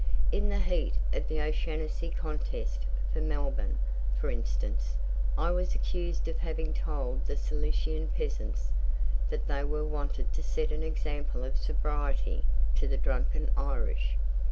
In the heat of the O'Shanassy contest for Melbourne, for instance, I was accused of having told the Silesian peasants that they were wanted to set an example of sobriety to the drunken Irish.